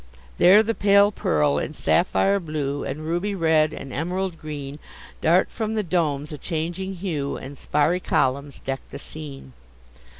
There, the pale pearl and sapphire blue, And ruby red, and em'rald green, Dart from the domes a changing hue, And sparry columns deck the scene.